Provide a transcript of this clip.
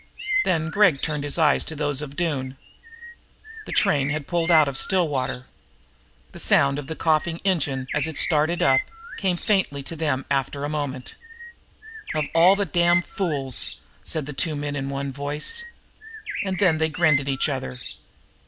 Then Gregg turned his eyes to those of Doone. The train had pulled out of Stillwater. The sound of the coughing of the engine, as it started up, came faintly to them after a moment. "Of all the darned fools!" said the two men in one voice. And then they grinned at each other.